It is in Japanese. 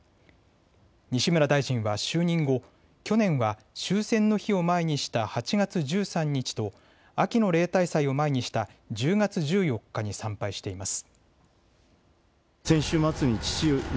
西村大臣は就任後、去年は終戦の日を前にした８月１３日と秋の例大祭を前にした１０月１４日に参拝しています。